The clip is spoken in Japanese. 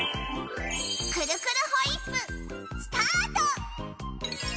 くるくるホイップスタート！